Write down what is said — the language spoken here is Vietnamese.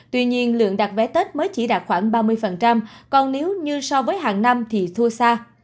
tuy nhiên lượng đặt vé tết mới chỉ đạt khoảng ba mươi còn nếu như so với hàng năm thì tour xa